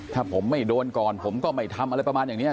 ถ้าผมไม่โดนก่อนผมก็ไม่ทำอะไรประมาณอย่างนี้